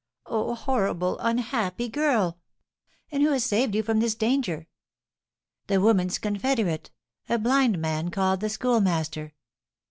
'" "Oh, horrible! Unhappy girl! And who has saved you from this danger?" "The woman's confederate, a blind man called the Schoolmaster."